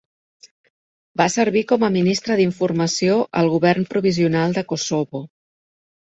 Va servir com a ministre d'informació al govern provisional de Kosovo.